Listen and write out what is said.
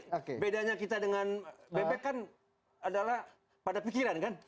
jadi bedanya kita dengan bebek kan adalah pada pikiran kan